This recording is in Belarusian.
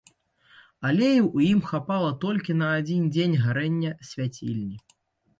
Алею ў ім хапала толькі на адзін дзень гарэння свяцільні.